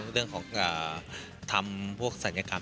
เรื่องทำพวกสัญลกรรม